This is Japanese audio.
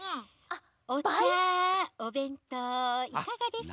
おちゃおべんとういかがですか？